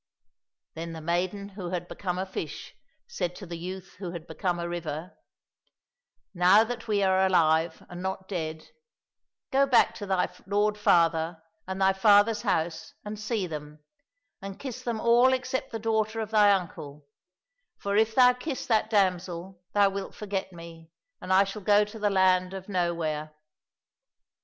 Then the maiden who had become a fish said to the youth who had become a river, " Now that we are alive and not dead, go back to thy lord father and thy father's house and see them, and kiss them all except the daughter of thy uncle, for if thou kiss that damsel thou wilt forget me, and I shall go to the land of Nowhere."